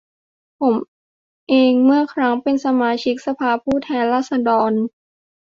ผมเองเมื่อครั้งเป็นสมาชิกสภาผู้แทนราษฎร